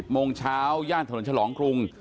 โมงเช้าย่านถนนฉลองกรุง